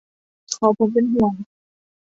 ขอผมเป็นห่วง